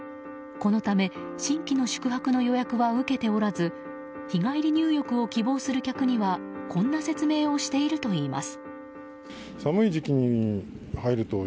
このため新規の宿泊の予約は受けておらず日帰り入浴を希望する客にはこんな説明をしているといいます。